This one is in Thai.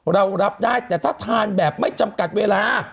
เรารับได้แต่ถ้าทานแบบไม่จำกัดเวลา